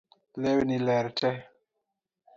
Lewni ler tee